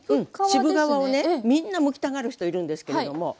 渋皮をねみんなむきたがる人いるんですけれども。